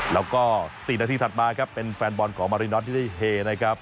แล้วก็๔นาทีถัดมาครับเป็นแฟนบอลของมาริน็อตที่ได้เฮนะครับ